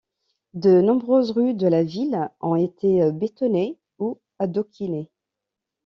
De nombreuses rues de la ville ont été bétonnées ou adoquinées.